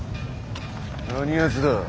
何やつだ？